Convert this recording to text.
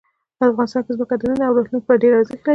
افغانستان کې ځمکه د نن او راتلونکي لپاره ډېر ارزښت لري.